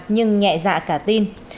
nhưng nhẹ dạ cả tin